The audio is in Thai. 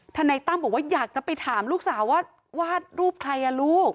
ถันายตั้มอยากจะไปถามลูกสาวว่าวาดรูปใครลูก